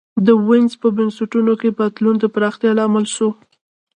د وینز په بنسټونو کي بدلون د پراختیا لامل سو.